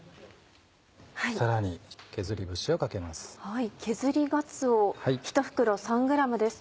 さらに削り節をかけます。